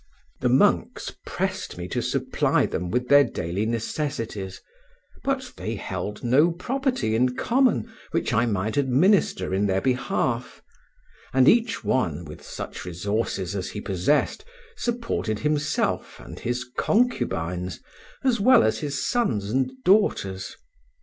The monks pressed me to supply them with their daily necessities, but they held no property in common which I might administer in their behalf, and each one, with such resources as he possessed, supported himself and his concubines, as well as his sons and daughters.